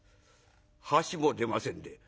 箸も出ませんで」。